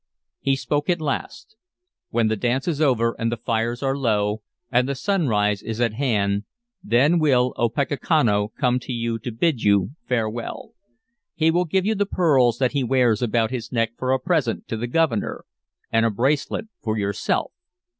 He spoke at last: "When the dance is over, and the fires are low, and the sunrise is at hand, then will Opechancanough come to you to bid you farewell. He will give you the pearls that he wears about his neck for a present to the Governor, and a bracelet for yourself.